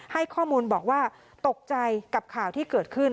ให้ข้อมูลบอกว่าตกใจกับข่าวที่เกิดขึ้น